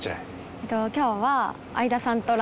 えっと今日は。